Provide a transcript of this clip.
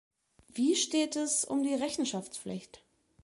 Wie steht es um die Rechenschaftspflicht?